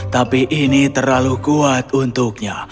tapi ini terlalu kuat untuknya